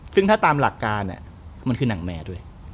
ซึ่งถ้าตามหลักการมันคือหนังแมร์ด้วย